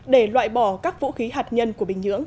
để loại bỏ các vũ khí hạt nhân của bình nhưỡng